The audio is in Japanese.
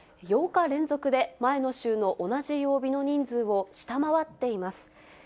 ８日連続で前の週の同じ曜日の人数を下回っています。